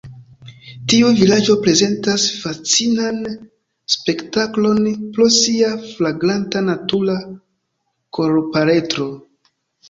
Tiu vilaĝo prezentas fascinan spektaklon pro sia flagranta natura kolorpaletro.